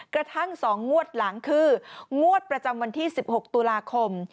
กระทั่ง๒งวดหลังคืองวดประจำวันที่๑๖ตุลาคม